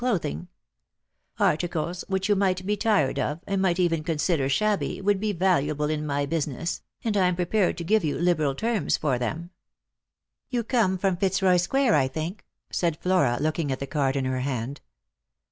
clothing, Articles which you might he tired of, and might even consider shabby, would be valuable in my business, and I am prepared to give you liberal terms for them." " You come from Fitzroy square, I think," said Flora, looking at the card in her hand.